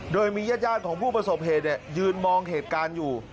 โดยมีญาติของผู้ประสบเหตุยืนมองเหตุการณ์อยู่